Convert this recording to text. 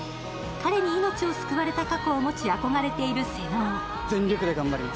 彼に命を救われた過去を持ち、憧れている瀬能。